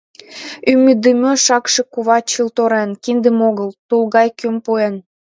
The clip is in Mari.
Ӱмытдымӧ шакше кува чылт орен, киндым огыл, тул гай кӱм пуэн.